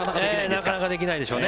なかなかできないでしょうね。